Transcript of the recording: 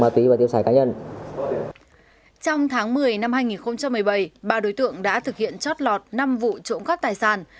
trong tháng một mươi năm hai nghìn một mươi bảy ba đối tượng đã thực hiện chót lọt năm vụ trộm cắp tài sản